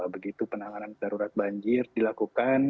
begitu penanganan darurat banjir dilakukan